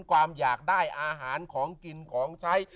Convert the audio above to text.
ความอยากได้อาหารของกินของใช้